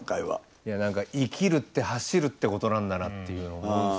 いや何か生きるって走るってことなんだなっていうのを思うんですよね。